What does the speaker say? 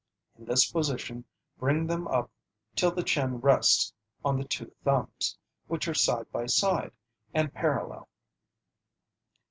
In this position, bring them up till the chin rests on the two thumbs, which are side by side and parallel.